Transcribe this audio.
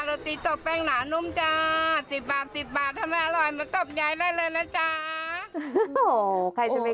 อู้วใครจะไม่กล้ากล้าตบคุณยาย